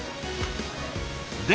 で